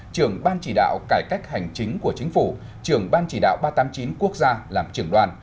trưởng ban chỉ đạo cải cách hành chính của chính phủ trưởng ban chỉ đạo ba trăm tám mươi chín quốc gia làm trưởng đoàn